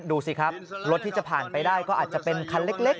ดูสิครับรถที่จะผ่านไปได้ก็อาจจะเป็นคันเล็ก